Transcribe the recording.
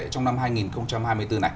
trong năm hai nghìn hai mươi bốn này